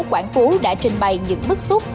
quảng phú đã trình bày những bức xúc